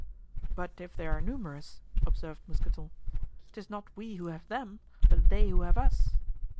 "But if they are numerous," observed Mousqueton, "'tis not we who have them, but they who have us."